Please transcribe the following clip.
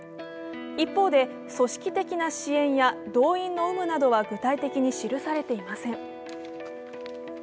一方で、組織的な支援や動員の有無などは具体的に記されていません。